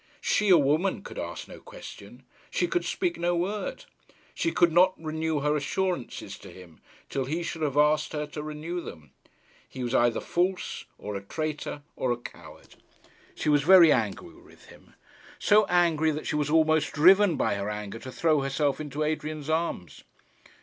She, a woman, could ask no question. She could speak no word. She could not renew her assurances to him, till he should have asked her to renew them. He was either false, or a traitor, or a coward. She was very angry with him; so angry that she was almost driven by her anger to throw herself into Adrian's arms.